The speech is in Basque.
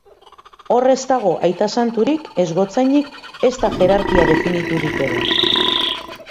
Hor ez dago aita santurik, ez gotzainik ezta jerarkia definiturik ere.